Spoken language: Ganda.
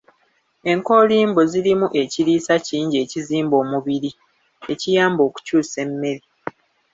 Enkoolimbo zirimu ekiriisa kingi ekizimba omubiri, ekiyamba okukyusa emmere